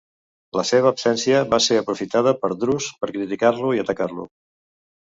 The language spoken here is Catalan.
La seva absència va ser aprofitada per Drus per criticar-lo i atacar-lo.